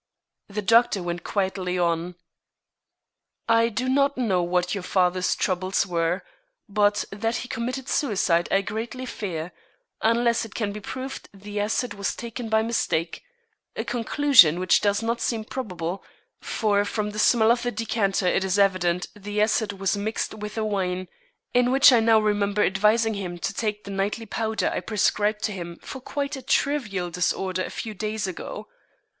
The doctor went quietly on: "I do not know what your father's troubles were, but that he committed suicide I greatly fear, unless it can be proved the acid was taken by mistake, a conclusion which does not seem probable, for from the smell of the decanter it is evident the acid was mixed with the wine, in which I now remember advising him to take the nightly powder I prescribed to him for quite a trivial disorder a few days ago.